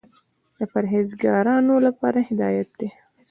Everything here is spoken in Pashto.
د پرهېزګارانو لپاره هدایت دى.